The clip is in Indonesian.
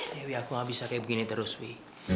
dewi aku nggak bisa kayak begini terus wi